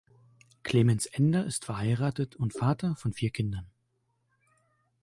Clemens Ender ist verheiratet und Vater von vier Kindern.